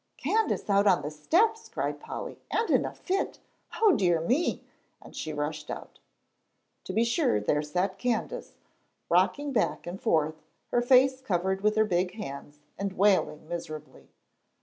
"Candace out on the steps," cried Polly, "and in a fit! O dear me!" and she rushed out. To be sure, there sat Candace, rocking back and forth, her face covered with her big hands, and wailing miserably.